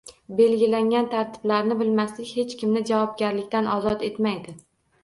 Belgilangan tartiblarni bilmaslik hech kimni javobgarlikdan ozod etmaydi